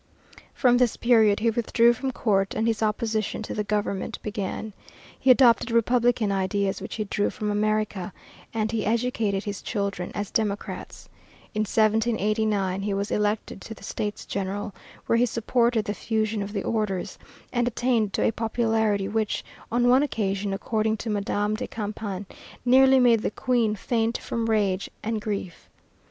From this period he withdrew from court and his opposition to the government began. He adopted republican ideas, which he drew from America, and he educated his children as democrats. In 1789 he was elected to the States General, where he supported the fusion of the orders, and attained to a popularity which, on one occasion, according to Madame de Campan, nearly made the Queen faint from rage and grief.